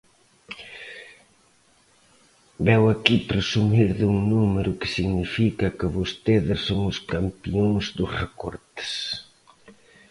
Veu aquí presumir dun número que significa que vostedes son os campións dos recortes.